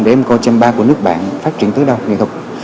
để em coi chăm ba của nước bạn phát triển tới đâu nghệ thuật